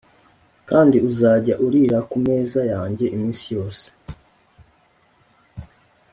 kandi uzajya urira ku meza yanjye iminsi yose.